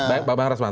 baik bang resman